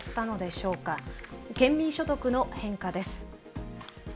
県民所得の変化です。